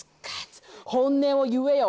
「本音を言えよ」